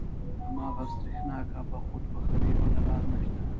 هماغه سرېښناکه به خود پخوې بله لاره نشته.